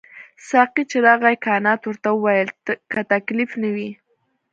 ساقي چې راغی کانت ورته وویل که تکلیف نه وي.